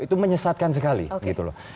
itu menyesatkan sekali gitu loh